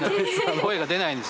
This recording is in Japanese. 声が出ないです。